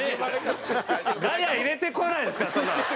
ガヤ入れてこないですからそんな。